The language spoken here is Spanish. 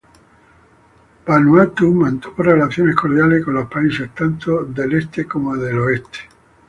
Vanuatu mantuvo relaciones cordiales con los países tanto en Este como en el Oeste.